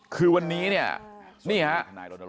คือวันนี้เนี่ยนี่ฮะ